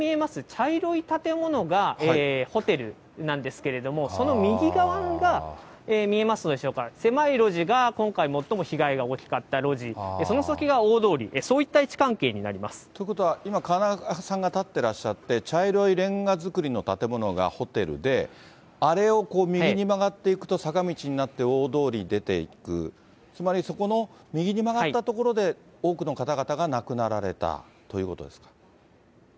茶色い建物がホテルなんですけれども、その右側が、見えますでしょうか、狭い路地が今回、最も被害が大きかった路地、その先が大通り、ということは、今、河中さんが立ってらっしゃって、茶色いレンガ造りの建物がホテルで、あれを右に曲がっていくと、坂道になって大通りに出ていく、つまりそこの右に曲がった所で、多くの方々が亡くなられたということですか。